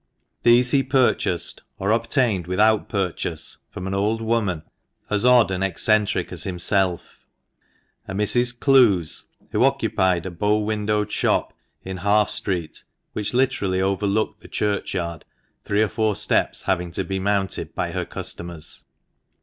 These he pur chased— or obtained without purchase — from an old woman as odd and eccentric as him self, a Mrs. Clowes, who occupied a bow windowed shop in Half Street, which literally overlooked the churchyard, three or four steps having to be mounted by her customers.